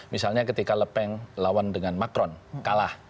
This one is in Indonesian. misalnya ketika lepeng lawan dengan macron kalah